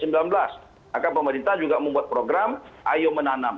maka pemerintah juga membuat program ayo menanam